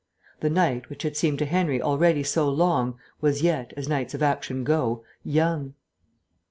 The night, which had seemed to Henry already so long, was yet, as nights of action go, young.